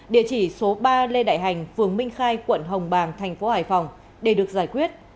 địa chỉ số ba lê đại hành phường minh khai quận hồng bàng thành phố hải phòng để được giải quyết